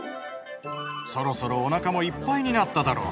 そろそろおなかもいっぱいになっただろう。